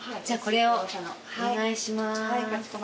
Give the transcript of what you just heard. じゃあこれをお願いします。